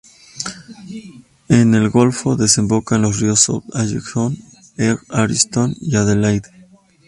En el golfo desembocan los ríos South Alligator, East Alligator y Adelaide.